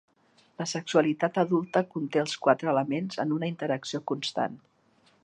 La sexualitat adulta conté els quatre elements en una interacció constant.